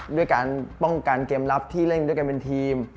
ด้วยการป้องกันเกมลับที่เล่นด้วยกันเป็นทีม